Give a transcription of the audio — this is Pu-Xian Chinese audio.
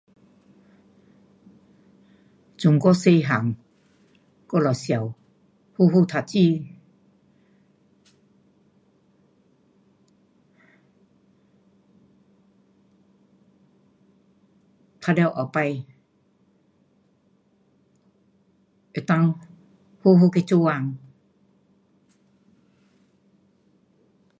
从我小汉，我就想，好好读书，读了后次能够好好去做工。